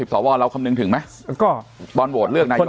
๒๕๐ต่อว่าเราคำนึงถึงไหมก็ตอนโหวตเลือกนายก